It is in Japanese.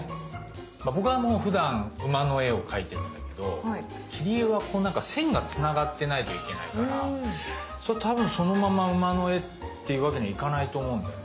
僕はもうふだん馬の絵を描いているんだけど切り絵は線がつながってないといけないからたぶんそのまま馬の絵っていうわけにはいかないと思うんだよね。